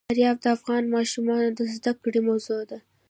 فاریاب د افغان ماشومانو د زده کړې موضوع ده.